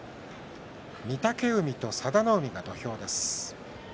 御嶽海と佐田の海が土俵です。